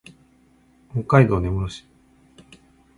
北海道根室市